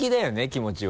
気持ちは。